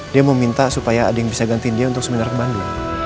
dia mau minta supaya ada yang bisa gantiin dia untuk seminar kemandu